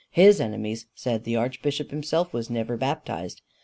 His enemies said the archbishop himself was never baptized.